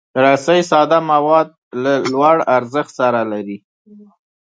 رسۍ ساده مواد له لوړ ارزښت سره لري.